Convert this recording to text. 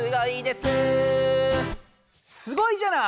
すごいじゃない！